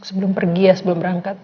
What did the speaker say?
sebelum pergi ya sebelum berangkat